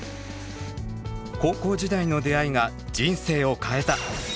高校時代の出会いが人生を変えた！